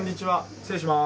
失礼します。